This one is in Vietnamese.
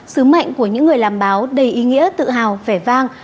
sứ mệnh của những người làm báo đầy ý nghĩa tự hào vẻ vang